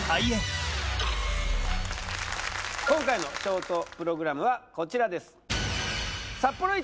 今回のショートプログラムはこちらです